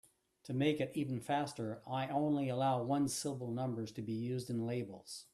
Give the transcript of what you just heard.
To make it even faster, I only allow one-syllable numbers to be used in labels.